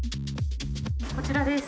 こちらです。